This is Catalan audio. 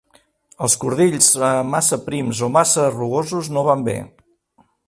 Els cordills massa prims o massa rugosos no van bé.